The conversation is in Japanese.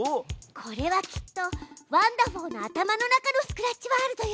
これはきっとワンだふぉーの頭の中のスクラッチワールドよ。